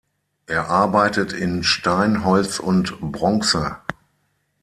Er arbeitet in Stein, Holz und Bronze.